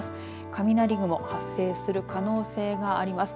雷雲発生する可能性があります。